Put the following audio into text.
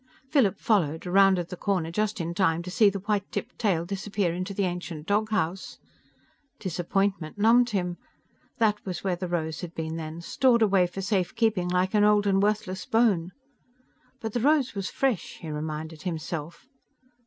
Philip followed, rounded the corner just in time to see the white tipped tail disappear into the ancient dog house. Disappointment numbed him. That was where the rose had been then stored away for safe keeping like an old and worthless bone. But the rose was fresh, he reminded himself.